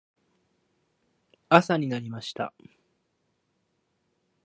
朝になりました。